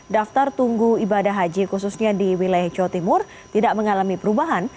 daftar tunggu ibadah haji khususnya di wilayah jawa timur tidak mengalami perubahan